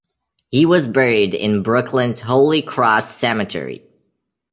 He was buried in Brooklyn's Holy Cross Cemetery.